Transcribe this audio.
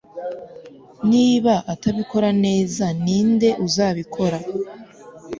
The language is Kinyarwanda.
niba atabikora, neza, ninde uzabikora